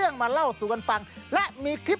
สีสันข่าวชาวไทยรัฐมาแล้วครับ